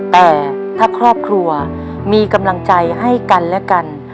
แต่ถ้าครอบครัวมีกำลังใจให้กันและกัน